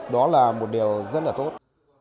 đó là một điều rất là tốt